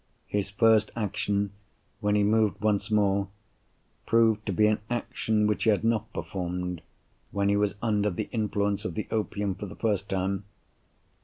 His first action, when he moved once more, proved to be an action which he had not performed, when he was under the influence of the opium for the first time.